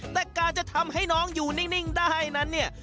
แต่การจะทำให้น้องอยู่นิ่งได้นั้นเนี่ย